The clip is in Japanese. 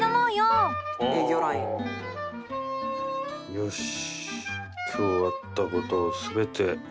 よし